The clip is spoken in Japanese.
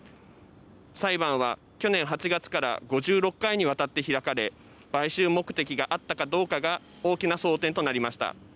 裁判は、去年８月から５６回にわたって開かれ買収目的があったかどうかが大きな争点となりました。